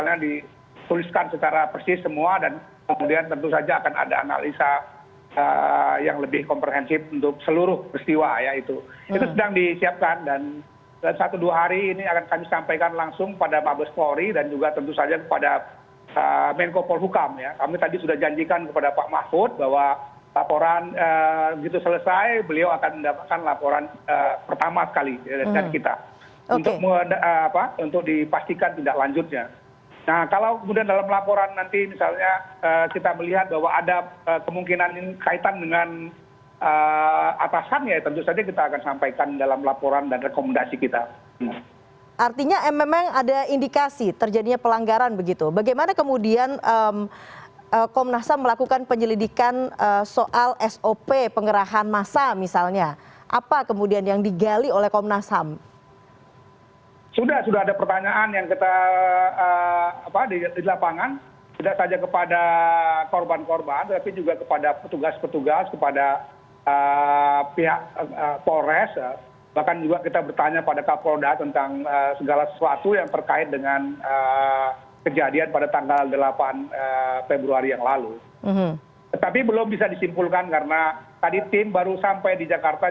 yang pertama adalah kalau kekerasan kemudian ini mungkin menjadi catatan penting ya bahwa kekerasan itu tidak hanya soal letusan senjata soal kekerasan fisik